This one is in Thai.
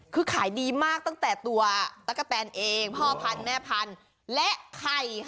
คือขายดีมากตั้งแต่ตัวตะกะแตนเองพ่อพันธุ์แม่พันธุ์และไข่ค่ะ